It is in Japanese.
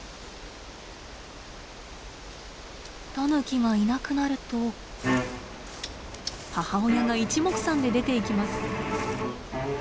タヌキがいなくなると母親がいちもくさんで出ていきます。